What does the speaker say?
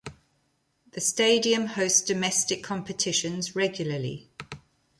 The stadium hosts domestic competitions regularly.